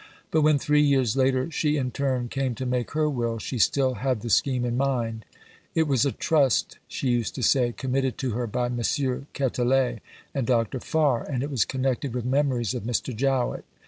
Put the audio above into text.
But when three years later she in turn came to make her will she still had the scheme in mind. It was a trust, she used to say, committed to her by M. Quetelet and Dr. Farr, and it was connected with memories of Mr. Jowett.